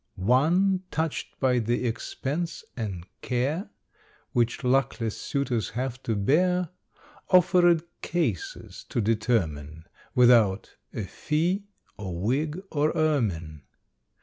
One, touched by the expense and care Which luckless suitors have to bear, Offered cases to determine Without a fee, or wig, or ermine.